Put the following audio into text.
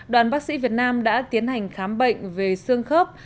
đoàn bác sĩ việt nam đã tiến hành khám bệnh về xương khớp